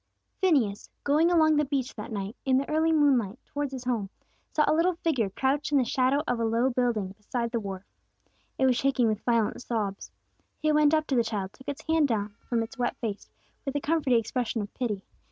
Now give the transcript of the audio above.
PHINEAS, going along the beach that night, in the early moonlight, towards his home, saw a little figure crouched in the shadow of a low building beside the wharf. It was shaking with violent sobs. He went up to the child, and took its hands down from its wet face, with a comforting expression of pity.